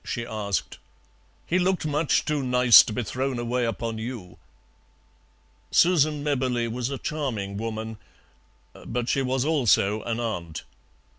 she asked. "He looked much too nice to be thrown away upon you." Susan Mebberley was a charming woman, but she was also an aunt.